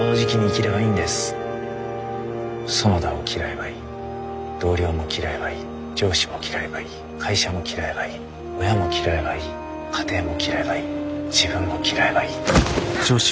園田を嫌えばいい同僚も嫌えばいい上司も嫌えばいい会社も嫌えばいい親も嫌えばいい家庭も嫌えばいい自分も嫌えばいい。